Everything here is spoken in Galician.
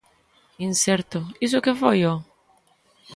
Inserto: 'iso que foi, oh?'